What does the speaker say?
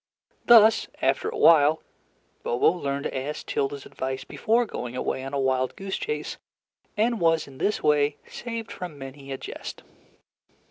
Thus, after a while, Bobo learned to ask Tilda's advice before going away on a wild goose chase, and was in this way saved from many a jest.